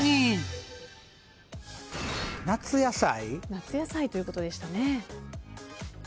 夏野菜ということでしたね。